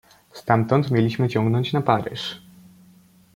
"Stamtąd mieliśmy ciągnąć na Paryż."